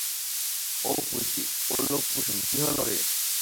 ও কুঁচি, ওলো কুসুম, কী হল রে?